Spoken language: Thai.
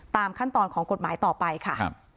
ตามขั้นตอนของกฎหมายต่อไปค่ะ